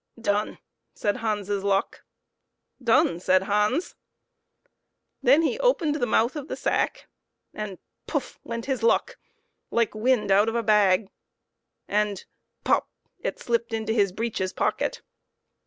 " Done !" said Hans's luck. "Done!" said Hans. Then he opened the mouth of the sack, and puff ! went his luck, like wind out of a bag, and pop ! it slipped into his breeches pocket.